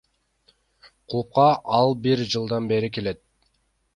Клубга ал бир жылдан бери келет.